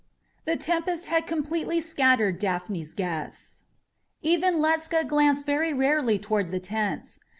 The tempest had completely scattered Daphne's guests. Even Ledscha glanced very rarely toward the tents.